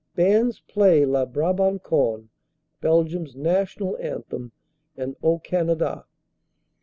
Bands play "La Brabanconne," Belgium s national anthem, and "O Canada."